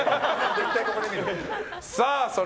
絶対ここで見るわ。